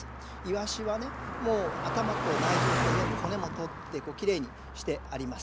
いわしはねもう頭と内臓とか全部骨も取ってきれいにしてあります。